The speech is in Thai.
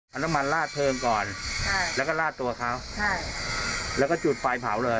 มันต้องมาลาดเพลิงก่อนแล้วก็ลาดตัวเขาแล้วก็จูดไฟเผาเลย